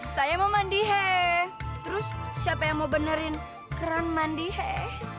saya mau mandi hei terus siapa yang mau benerin keren mandi hei